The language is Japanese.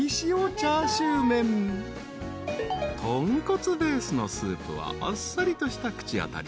［豚骨ベースのスープはあっさりとした口当たり］